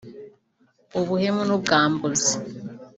ubuhemu n’ubwambuzi